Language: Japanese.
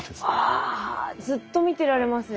あずっと見てられますね。